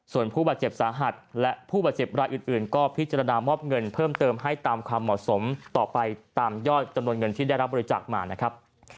ส่วนผู้บาดเจ็บสาหัสและผู้บาดเจ็บรายอื่นก็พิจารณามอบเงินเพิ่มเติมให้ตามความเหมาะสมต่อไปตามยอดจำนวนเงินที่ได้รับบริจาคมานะครับ